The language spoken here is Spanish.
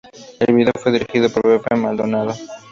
El video fue dirigido por Pepe Maldonado.